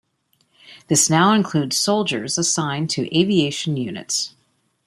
This now includes Soldiers assigned to aviation units.